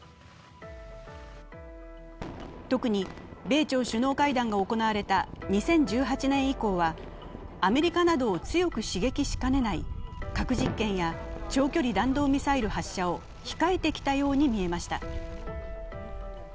特に米朝首脳会談が行われた２０１８年以降はアメリカなどを強く刺激しかねない核実験や長距離弾道ミサイル発射を控えてきたように見えました。